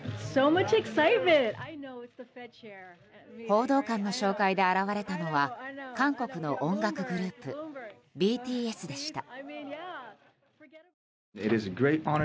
報道官の紹介で現れたのは韓国の音楽グループＢＴＳでした。